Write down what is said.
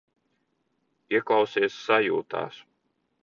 Ieklausies sajūtās.